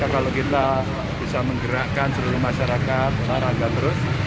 kalau kita bisa menggerakkan seluruh masyarakat olahraga terus